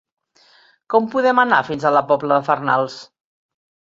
Com podem anar fins a la Pobla de Farnals?